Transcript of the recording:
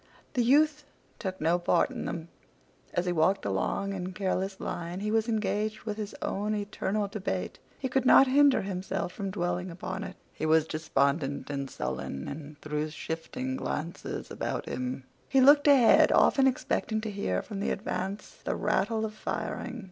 The youth took no part in them. As he walked along in careless line he was engaged with his own eternal debate. He could not hinder himself from dwelling upon it. He was despondent and sullen, and threw shifting glances about him. He looked ahead, often expecting to hear from the advance the rattle of firing.